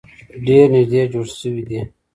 ډیر نیږدې جوړ شوي دي.